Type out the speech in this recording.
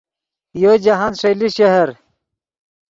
یو جاہند ݰئیلے شہر